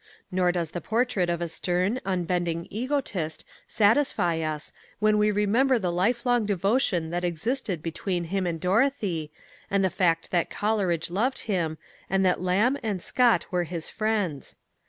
Nor does the portrait of a stern, unbending egotist satisfy us when we remember the life long devotion that existed between him and Dorothy, and the fact that Coleridge loved him, and that Lamb and Scott were his friends.